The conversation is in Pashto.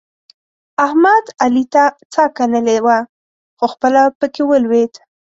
احمد؛ علي ته څا کنلې وه؛ خو خپله په کې ولوېد.